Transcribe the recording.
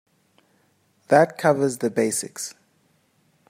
That covers the basics.